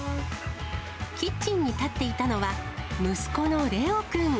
キッチンに立っていたのは、息子のれお君。